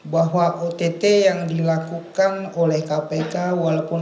bahwa ott yang diperlukan untuk menjaga kemampuan